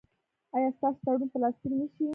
ایا ستاسو تړون به لاسلیک نه شي؟